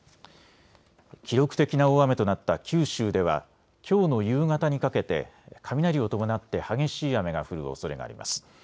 記録的な大雨となった九州ではきょうの夕方にかけて雷を伴って激しい雨が降るおそれがあります。